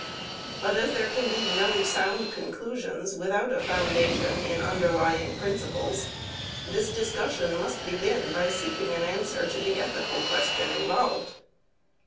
But as there can be no sound conclusions without a foundation in underlying principles, this discussion must begin by seeking an answer to the ethical question involved.